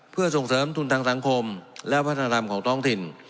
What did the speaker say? เพื่อส่งเสริมทุนทางสังคมและวัฒนธรรมของท้องถิ่น